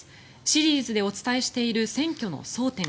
シリーズでお伝えしている選挙の争点。